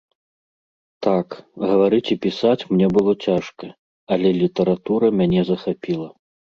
Так, гаварыць і пісаць мне было цяжка, але літаратура мяне захапіла.